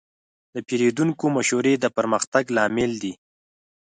د پیرودونکو مشورې د پرمختګ لامل دي.